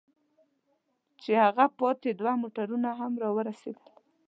چې هغه پاتې دوه موټرونه هم را ورسېدل.